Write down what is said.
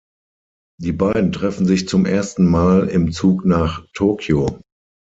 Die beiden treffen sich zum ersten Mal im Zug nach Tokio.